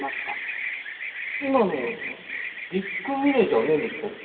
今のディック・ミネじゃねんですか？